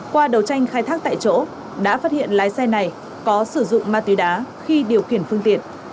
qua đầu tranh khai thác tại chỗ đã phát hiện lái xe này có sử dụng ma túy đá khi điều khiển phương tiện